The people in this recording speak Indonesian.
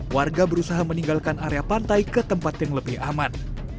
warga berusaha meninggalkan area pantai ke tempat yang lebih aman